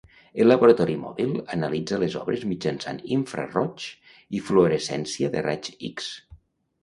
El laboratori mòbil analitza les obres mitjançant infraroig i fluorescència de raigs X.